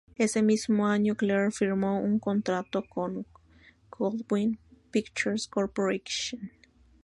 Ese mismo año Claire firmó un contrato con Goldwyn Pictures Corporation.